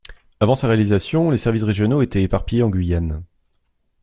Avant sa réalisation, les services régionaux étaient éparpillés en Guyane.